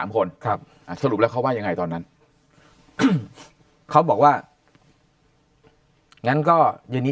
คนครับสรุปแล้วเขาว่ายังไงตอนนั้นเขาบอกว่างั้นก็อย่างนี้